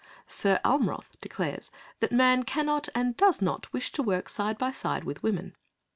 Sir Almroth declares that man "cannot and does not wish to work side by side with women."